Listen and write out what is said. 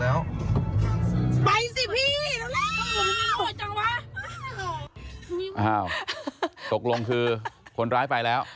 ตกลงคือคนร้ายไปแล้ว